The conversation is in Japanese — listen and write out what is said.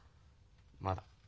まだ。